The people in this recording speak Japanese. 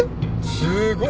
すーごい。